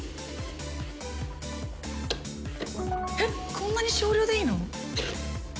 こんな少量でいいの？